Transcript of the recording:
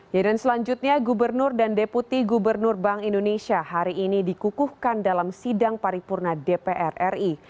ya dan selanjutnya gubernur dan deputi gubernur bank indonesia hari ini dikukuhkan dalam sidang paripurna dpr ri